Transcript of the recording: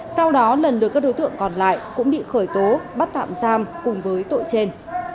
sau đó lần lượt các đối tượng còn lại cũng bị khởi tố bắt tạm giam cùng với tội trên